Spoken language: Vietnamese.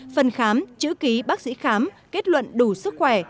phần khám chữ ký bác sĩ khám kết luận đủ sức khỏe